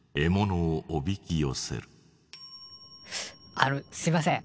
あのすみません。